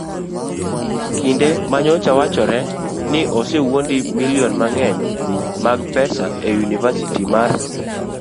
Kinde ma nyocha wachore ni osewuondi milion mang'eny mag pesa e yunivasiti mar